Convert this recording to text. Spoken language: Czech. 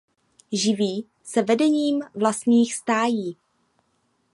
Živí se vedením vlastních stájí.